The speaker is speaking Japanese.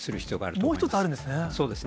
もう一つあるんですね。